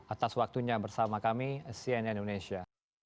atas waktunya bersama kami cnn indonesia